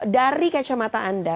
dari kacamata anda